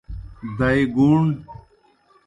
دائے گُوݨ۔